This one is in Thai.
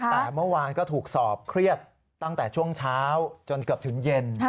แต่เมื่อวานก็ถูกสอบเครียดตั้งแต่ช่วงเช้าจนเกือบถึงเย็น